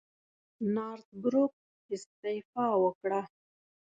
نارت بروک استعفی وکړه.